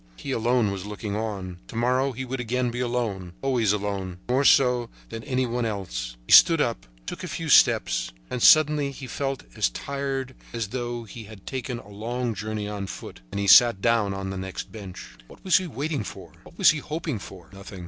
He alone was looking on. To morrow he would again be alone, always alone, more so than any one else. He stood up, took a few steps, and suddenly he felt as tired as though he had taken a long journey on foot, and he sat down on the next bench. What was he waiting for? What was he hoping for? Nothing.